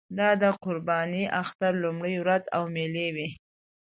دا د قربانۍ اختر لومړۍ ورځ وه او مېلې وې.